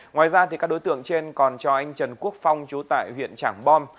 ngoài ra các đối tượng trên còn cho anh trần quốc phong chú tại huyện trảng bom